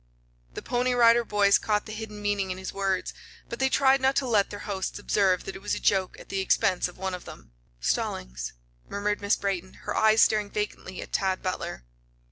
The Pony Rider Boys caught the hidden meaning in his words, but they tried not to let their hosts observe that it was a joke at the expense of one of them. "Stallings," murmured Miss Brayton, her eyes staring vacantly at Tad Butler.